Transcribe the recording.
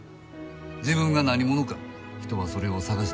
自分が何者か人はそれを探していく。